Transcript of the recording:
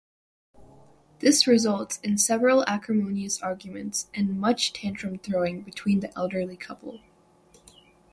This results in several acrimonious arguments and much tantrum throwing between the elderly couple.